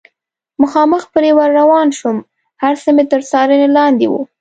مخامخ پرې ور روان شوم، هر څه مې تر څارنې لاندې و.